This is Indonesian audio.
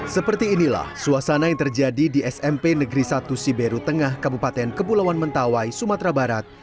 seperti inilah suasana yang terjadi di smp negeri satu siberu tengah kabupaten kepulauan mentawai sumatera barat